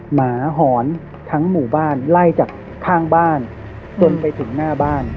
หมาหอนทั้งหมู่บ้านไล่จากข้างบ้านจนไปถึงหน้าบ้าน